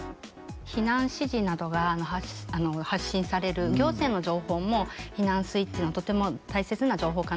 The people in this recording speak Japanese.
避難指示などが発信される行政の情報も避難スイッチのとても大切な情報かなと思います。